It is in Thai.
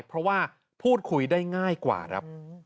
เพราะว่าพูดคุยได้ง่ายกว่าครับ